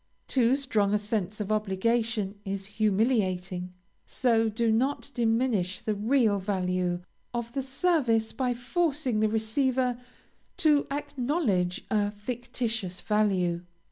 Too strong a sense of obligation is humiliating, so do not diminish the real value of the service by forcing the receiver to acknowledge a fictitious value.